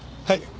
はい。